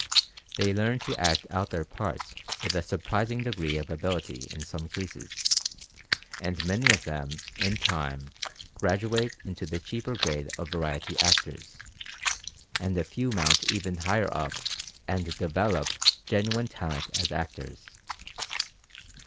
They learn to act out their parts with a surprising degree of ability in some cases, and many of them in time graduate into the cheaper grade of variety actors, and a few mount even higher up and develop genuine talent as actors.